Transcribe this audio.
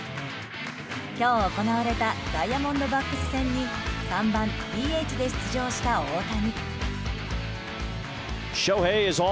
今日、行われたダイヤモンドバックス戦に３番ＤＨで出場した大谷。